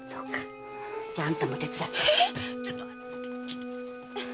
じゃああんたも手伝って。